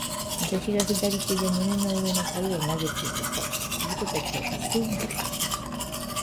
私が左手で胸の上の樽を投げてやると、小人たちは一せいに拍手しました。